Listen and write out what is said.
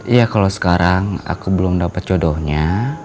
iya kalo sekarang aku belum dapet jodohnya